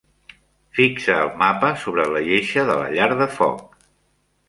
Fixa el mapa sobre la lleixa de la llar de foc.